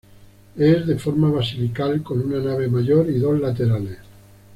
Es de forma basilical, con una nave mayor y dos laterales.